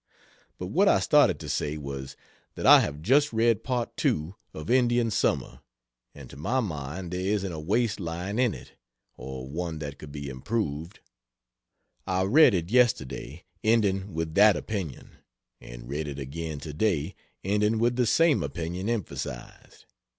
But what I started to say, was, that I have just read Part II of Indian Summer, and to my mind there isn't a waste line in it, or one that could be improved. I read it yesterday, ending with that opinion; and read it again to day, ending with the same opinion emphasized.